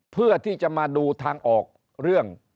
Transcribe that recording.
เพื่อที่จะมาดูทางออกเรื่อง